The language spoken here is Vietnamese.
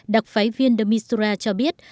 đặc phái viên de mistura cho biết